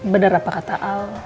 bener apa kata al